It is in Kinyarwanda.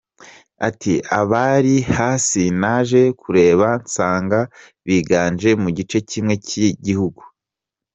Ati “Abari hasi naje kureba nsanga biganje mu gice kimwe cy’igihugu.